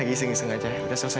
aku ada sedikit masalah di sana